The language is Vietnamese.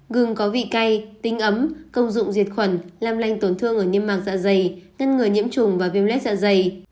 gừng có vị cay tinh ấm công dụng diệt khuẩn làm lanh tổn thương ở niêm mạc dạ dày ngân ngừa nhiễm trùng và viêm lết dạ dày